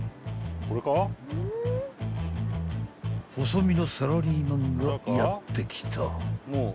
［細身のサラリーマンがやって来た］